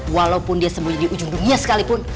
walaupun dia sembuh di ujung dunia sekalipun